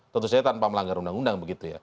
tentu saja tanpa melanggar undang undang begitu ya